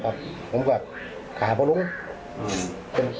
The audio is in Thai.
ผมก็ผมก็ค่ะพ่อลุงอืม